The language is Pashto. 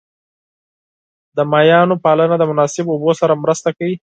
د ماهیانو پالنه د مناسب اوبو سره مرسته کوي.